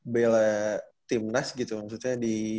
bela timnas gitu maksudnya